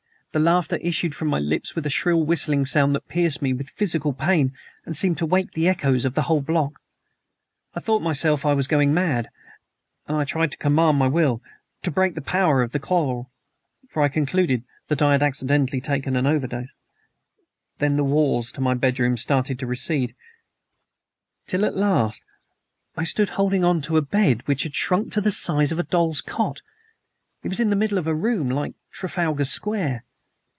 The laughter issued from my lips with a shrill whistling sound that pierced me with physical pain and seemed to wake the echoes of the whole block. I thought myself I was going mad, and I tried to command my will to break the power of the chloral for I concluded that I had accidentally taken an overdose. "Then the walls of my bedroom started to recede, till at last I stood holding on to a bed which had shrunk to the size of a doll's cot, in the middle of a room like Trafalgar Square!